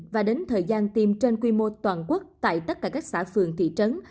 và đến thời gian tiêm trên quy mô toàn quốc tại tất cả các xã phường thị trấn